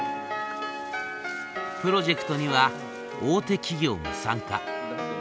プロジェクトには大手企業も参加。